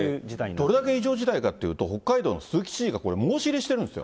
どれだけ異常事態かというと、北海道の鈴木知事が申し入れしてるんですよ。